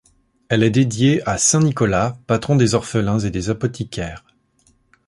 Elle est dédiée à saint Nicolas, patron des orphelins et des apothicaires.